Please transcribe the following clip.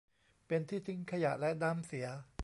เป็นที่ทิ้งขยะและน้ำเสีย